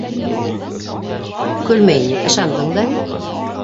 — Көлмәй ни, ышандың да бит.